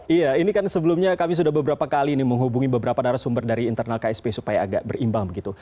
iya ini kan sebelumnya kami sudah beberapa kali menghubungi beberapa narasumber dari internal ksp supaya agak berimbang begitu